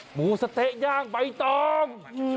หมูสะเต๊ะย่างใบตอง